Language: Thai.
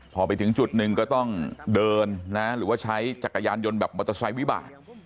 พอไปถึงจุดหนึ่งก็ต้องเดินนะหรือว่าใช้จักรยานยนต์แบบมอเตอร์ไซค์วิบาก